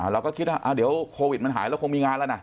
เราก็คิดว่าเดี๋ยวโควิดมันหายเราคงมีงานแล้วนะ